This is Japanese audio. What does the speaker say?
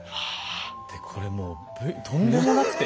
でこれもうとんでもなくて。